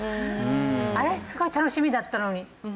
あれすごい楽しみだったのに。